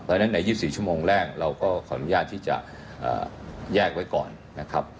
เพราะฉะนั้นใน๒๔ชั่วโมงแรกเราก็ขออนุญาตที่จะแยกไว้ก่อนนะครับ